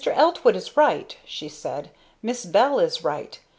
Eltwood is right!" she said. "Miss Bell is right!